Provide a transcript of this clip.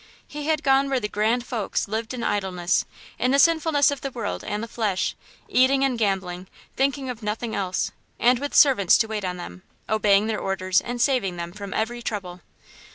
He had gone where the grand folk lived in idleness, in the sinfulness of the world and the flesh, eating and gambling, thinking of nothing else, and with servants to wait on them, obeying their orders and saving them from every trouble.